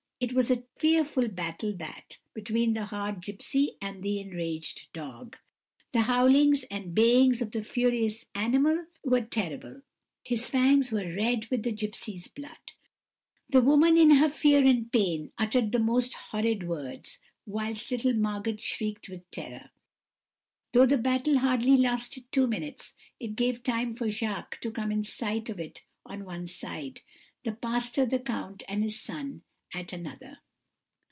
It was a fearful battle that, between the hardy gipsy and the enraged dog. The howlings and bayings of the furious animal were terrible, his fangs were red with the gipsy's blood; the woman, in her fear and pain, uttered the most horrid words, whilst little Margot shrieked with terror. Though the battle hardly lasted two minutes, it gave time for Jacques to come in sight of it on one side; the pastor, the count, and his son at another.